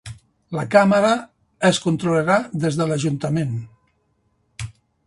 La càmera es controlarà des de l'Ajuntament.